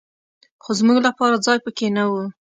خو زمونږ لپاره ځای په کې نه و.